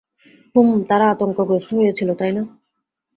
হুমম তারা আতঙ্কগ্রস্থ হয়েছিল, তাই না?